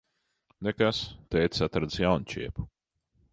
Nekas. Tētis atradis jaunu čiepu.